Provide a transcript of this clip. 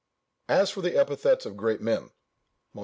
As for the epithets of great men, Mons.